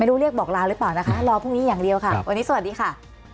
ลูกเรียกบอกลาหรือเปล่านะคะรอพรุ่งนี้อย่างเดียวค่ะวันนี้สวัสดีค่ะ